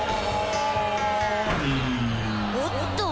おっと！